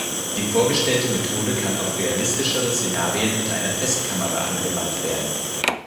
Die vorgestellte Methode kann auf realistischere Szenarien mit einer Festkamera angewandt werden.